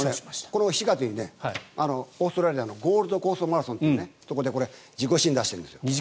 これも４月にオーストラリアのゴールドコーストマラソンというところで自己新を出しているんです。